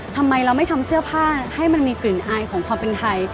ทำไมเราไม่ทำเสื้อผ้าให้มันมีกลิ่นอายของความเป็นไทย